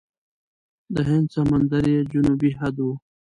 د هند سمندر یې جنوبي حد و.